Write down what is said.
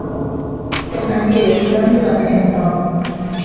Kuom adier, bang' ywak en mor.